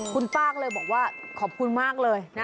คุณป้าก็เลยบอกว่าขอบคุณมากเลยนะ